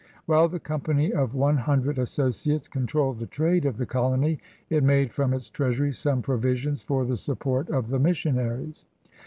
While the Company of One Hmidred Associates controlled the trade of the colony, it made from its treasury some provisions for the support of the missionaries.